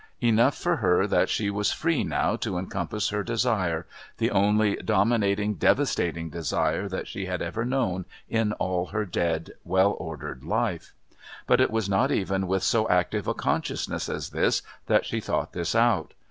Enough for her that she was free now to encompass her desire, the only dominating, devastating desire that she had ever known in all her dead, well ordered life. But it was not even with so active a consciousness as this that she thought this out.